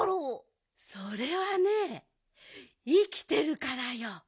それはねいきてるからよ。